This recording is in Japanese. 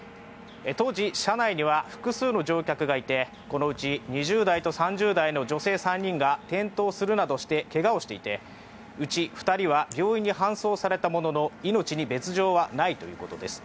当時、車内には複数の乗客がいてこのうち２０代と３０代の女性３人が転倒するなどけがをしていて、うち２人は病院に搬送されたものの命に別状はないということです。